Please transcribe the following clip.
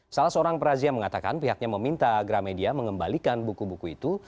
salah seorang perazia mengatakan pihaknya meminta gramedia mengembalikan buku buku itu